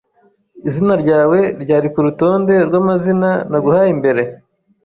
Izina ryawe ryari kurutonde rwamazina naguhaye mbere?